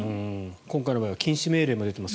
今回の場合は禁止命令も出ています。